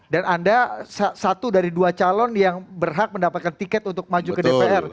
dan anda satu dari dua calon yang berhak mendapatkan tiket untuk maju ke dpr